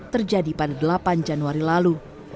terjadi pada delapan januari lalu